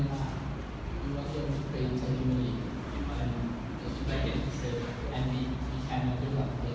กับอันดับสุดท้ายซึ่งผู้พี่คุณพิมพ์สำคัญซึ่งผู้พี่คุณพิมพ์สำคัญ